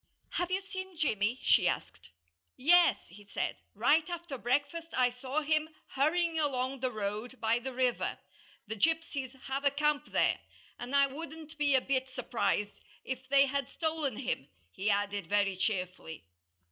"Have you seen Jimmy?" she asked. "Yes!" he said. "Right after breakfast I saw him hurrying along the road by the river. The gypsies have a camp there. And I wouldn't be a bit surprised if they had stolen him," he added very cheerfully.